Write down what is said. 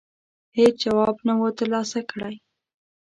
هېڅ جواب نه وو ترلاسه کړی.